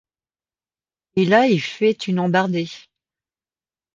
Et là il fait une embardée.